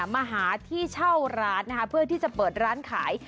มาหาที่เช่าร้านนะคะเพื่อที่จะเปิดร้านขาย